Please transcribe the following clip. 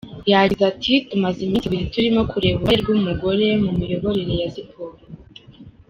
Yagize ati “Tumaze iminsi ibiri turimo kureba uruhare rw’umugore mu miyoborere ya siporo.